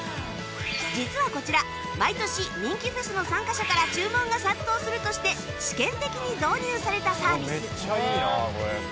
実はこちら毎年人気フェスの参加者から注文が殺到するとして試験的に導入されたサービス